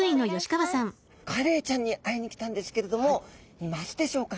カレイちゃんに会いに来たんですけれどもいますでしょうか？